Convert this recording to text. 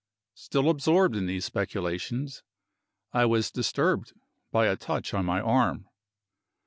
Still absorbed in these speculations, I was disturbed by a touch on my arm.